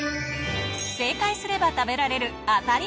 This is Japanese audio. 正解すれば食べられる